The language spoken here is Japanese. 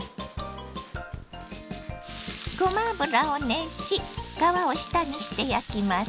ごま油を熱し皮を下にして焼きます。